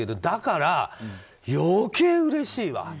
だから余計うれしいわ。